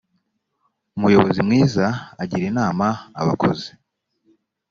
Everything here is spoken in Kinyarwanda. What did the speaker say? umuyobozi mwiza agira inama abakozi